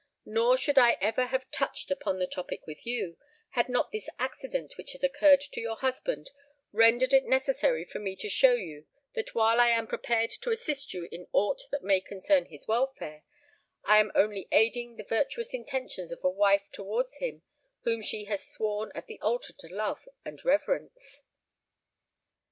Nor should I have ever touched upon the topic with you, had not this accident which has occurred to your husband rendered it necessary for me to show you that while I am prepared to assist you in aught that may concern his welfare, I am only aiding the virtuous intentions of a wife towards him whom she has sworn at the altar to love and reverence."